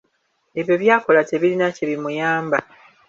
Ebyo byakola tebirina kye bimuyamba.